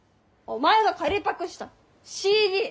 お前が借りパクしたＣＤ！